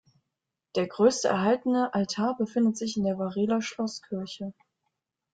Der größte erhaltene Altar befindet sich in der Vareler Schlosskirche.